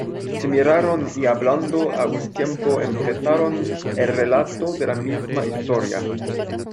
se miraron, y hablando a un tiempo empezaron el relato de la misma historia: